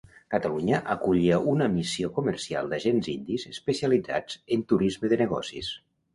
Catalunya acollia una missió comercial d'agents indis especialitzats en turisme de negocis.